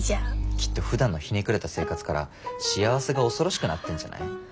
きっとふだんのひねくれた生活から幸せが恐ろしくなってんじゃない？